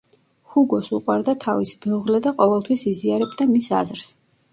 ჰუგოს უყვარდა თავისი მეუღლე და ყოველთვის იზიარებდა მის აზრს.